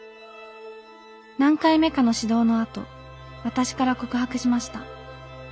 何回目かの指導のあと私から告白しました。